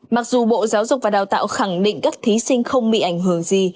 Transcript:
mặc dù bộ giáo dục và đào tạo khẳng định các thí sinh không bị ảnh hưởng gì